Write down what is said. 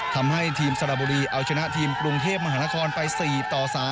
ทำให้ทีมสระบุรีเอาชนะทีมกรุงเทพมหานครไป๔ต่อ๓